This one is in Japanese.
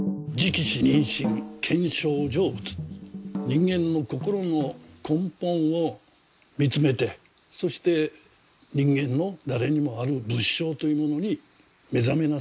人間の心の根本を見つめてそして人間の誰にもある仏性というものに目覚めなさいと。